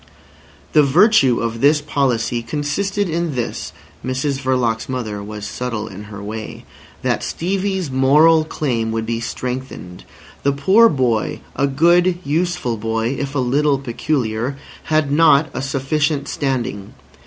The "virtue" of this policy consisted in this (Mrs Verloc's mother was subtle in her way), that Stevie's moral claim would be strengthened. The poor boy—a good, useful boy, if a little peculiar—had not a sufficient standing.